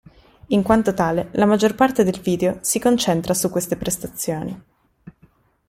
In quanto tale, la maggior parte del video si concentra su queste prestazioni.